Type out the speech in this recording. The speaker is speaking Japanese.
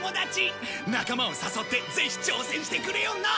仲間を誘ってぜひ挑戦してくれよな！